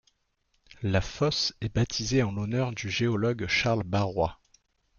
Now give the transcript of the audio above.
La fosse est baptisée en l'honneur du géologue Charles Barrois.